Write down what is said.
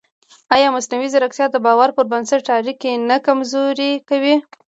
ایا مصنوعي ځیرکتیا د باور پر بنسټ اړیکې نه کمزورې کوي؟